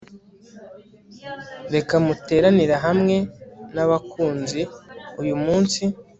reka muteranire hamwe nabakunzi uyumunsi